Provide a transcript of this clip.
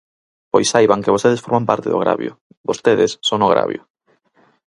Pois saiban que vostedes forman parte do agravio, vostedes son o agravio.